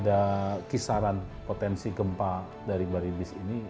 ada kisaran potensi gempa dari baribis ini